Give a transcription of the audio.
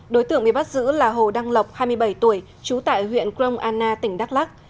đối tượng bị bắt giữ là hồ đăng lộc hai mươi bảy tuổi trú tại huyện crong anna tỉnh đắk lắc